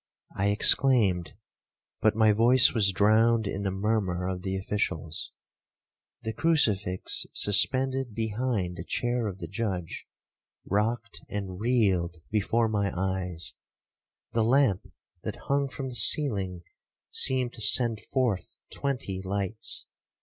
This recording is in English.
I exclaimed, but my voice was drowned in the murmur of the officials. The crucifix suspended behind the chair of the judge, rocked and reeled before my eyes; the lamp that hung from the ceiling, seemed to send forth twenty lights.